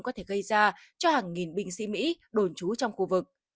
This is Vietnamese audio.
có thể gây ra cho hàng nghìn binh sĩ mỹ đồn trú trong khu vực